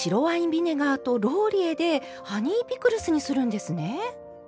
ビネガーとローリエでハニーピクルスにするんですね。